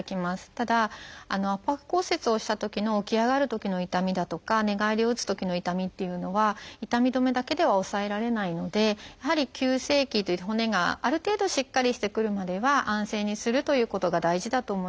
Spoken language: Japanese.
ただ圧迫骨折をしたときの起き上がるときの痛みだとか寝返りを打つときの痛みっていうのは痛み止めだけでは抑えられないのでやはり急性期骨がある程度しっかりしてくるまでは安静にするということが大事だと思います。